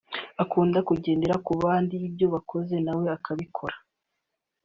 Akunda kugendera ku bandi ibyo bakoze nawe akabikora